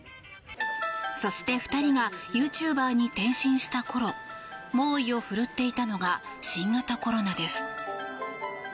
そして、２人がユーチューバーに転身した頃猛威を振るっていたのが新型コロナです。